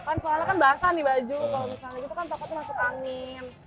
kan soalnya kan basah nih baju kalau misalnya gitu kan takut masuk angin